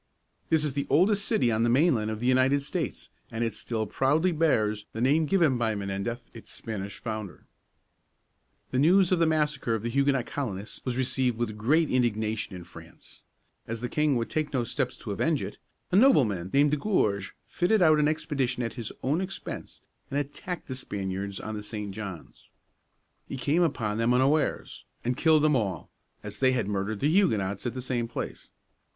This is the oldest city on the mainland of the United States, and it still proudly bears the name given by Menendez, its Spanish founder. [Illustration: Old Spanish Mission at St. Augustine.] The news of the massacre of the Huguenot colonists was received with great indignation in France. As the king would take no steps to avenge it, a nobleman named De Gourgues (goorg) fitted out an expedition at his own expense, and attacked the Spaniards on the St. Johns. He came upon them unawares, and killed them all, as they had murdered the Huguenots at the same place.